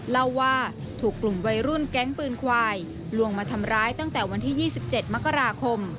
เล่าว่าถูกกลุ่มวัยรุ่นแก๊งปืนควายลวงมาทำร้ายตั้งแต่วันที่๒๗มกราคม